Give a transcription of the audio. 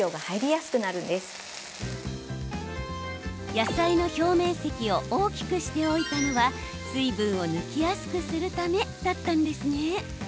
野菜の表面積を大きくしておいたのは水分を抜きやすくするためだったんですね。